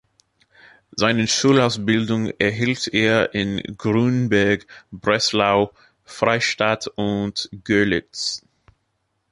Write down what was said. Seine Schulausbildung erhielt er in Grünberg, Breslau, Freistadt und Görlitz.